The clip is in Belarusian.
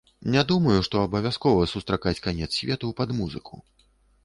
Не думаю, што абавязкова сустракаць канец свету пад музыку.